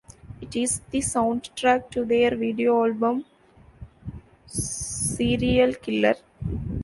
It is the soundtrack to their video album, "Cereal Killer".